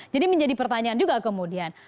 jadi menjadi pertanyaan juga kemudian